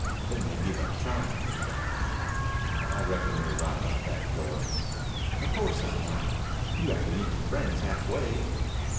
Then they give up trying." "I reckon you're right about that, Joy." "Of course I'm right. You have to meet your friends halfway."